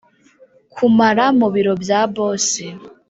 kumara mubiro bya boss.